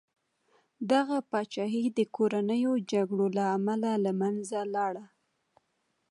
دغه پاچاهي د کورنیو جګړو له امله له منځه لاړه.